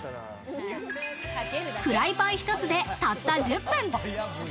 フライパン一つで、たった１０分。